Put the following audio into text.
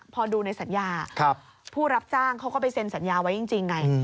พอดูในสัญญาผู้รับจ้างเขาก็ไปเซ็นสัญญาไว้จริงไง